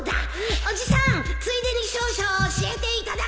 おじさんついでに少々教えていただけませんか？